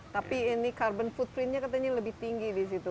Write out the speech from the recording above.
tapi ini carbon footprintnya katanya lebih tinggi di situ